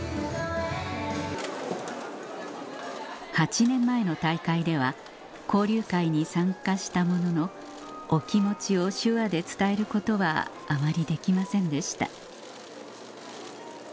８年前の大会では交流会に参加したもののお気持ちを手話で伝えることはあまりできませんでした